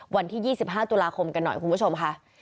วันที่๒๕ตุลาคมกันหน่อยคุณผู้ชมค่ะ